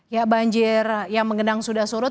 ya banjir yang mengenang sudah surut